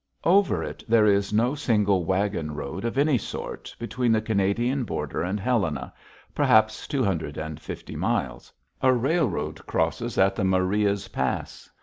Over it there is no single wagon road of any sort between the Canadian border and Helena, perhaps two hundred and fifty miles. A railroad crosses at the Marias Pass.